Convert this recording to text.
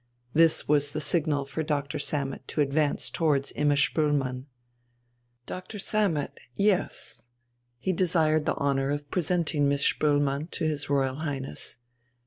This was the signal for Doctor Sammet to advance towards Imma Spoelmann. "Doctor Sammet. Yes." He desired the honour of presenting Miss Spoelmann to his Royal Highness....